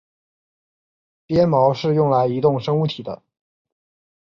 鞭毛是用来移动生物体的。